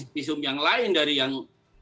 visum yang lain dari yang